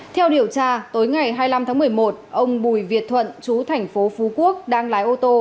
theo điều tra tối ngày hai mươi năm tháng một mươi một ông bùi việt thuận chú thành phố phú quốc đang lái ô tô